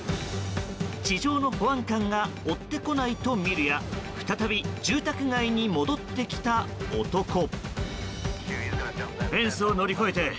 地上の保安官が追ってこないと見るや再び住宅街に戻ってきた男。